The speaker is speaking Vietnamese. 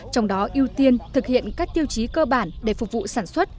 trong đó ưu tiên thực hiện các tiêu chí cơ bản để phục vụ sản xuất